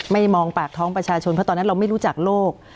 มองปากท้องประชาชนเพราะตอนนั้นเราไม่รู้จักโลก